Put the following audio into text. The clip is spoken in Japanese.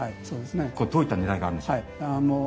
これどういったねらいがあるんでしょう？